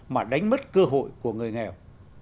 mà đánh mất cơ hội của người nghèo